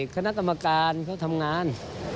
คณะกรรมการเขาทำงาน